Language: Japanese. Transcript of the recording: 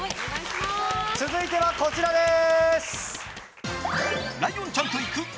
続いては、こちらです。